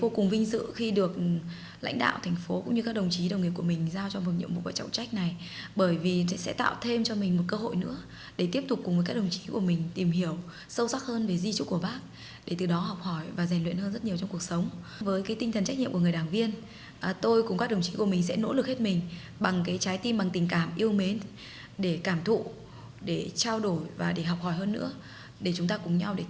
các đồng chí của mình sẽ nỗ lực hết mình bằng trái tim bằng tình cảm yêu mến để cảm thụ để trao đổi và để học hỏi hơn nữa để chúng ta cùng nhau thực hiện tốt di trúc của bác